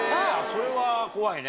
それは怖いね。